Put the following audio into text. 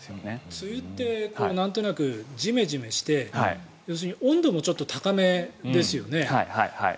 梅雨ってなんとなくジメジメして要するに温度もちょっと高めですよね。